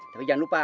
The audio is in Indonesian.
tapi jangan lupa